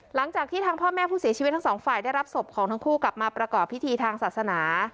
หลังจากที่ทางพ่อแม่ผู้เสียชีวิตทั้งสองฝ่ายได้รับศพของทั้งคู่กลับมาประกอบพิธีทางศาสนา